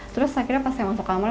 terus akhirnya pas saya masuk kamar